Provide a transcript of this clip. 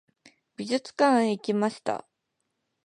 美術館へ行きました。